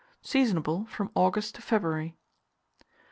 Seasonable from August to February.